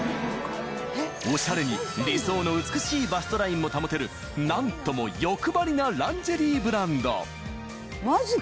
オシャレに理想の美しいバストラインも保てる何とも欲張りなランジェリーブランドマジ？